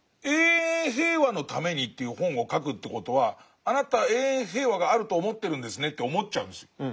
「永遠平和のために」という本を書くという事はあなた永遠平和があると思ってるんですねって思っちゃうんですよ。